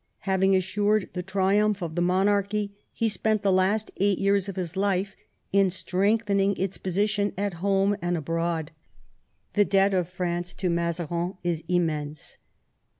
Having assured the triumph of the monarchy, he spent the last eight years of his life in strengthening its position at home and abroad. The debt of France to Mazarin is immense.